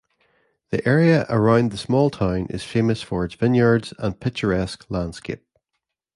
The area around the small town is famous for its vineyards and picturesque landscape.